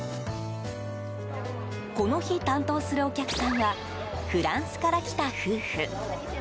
この日、担当するお客さんはフランスから来た夫婦。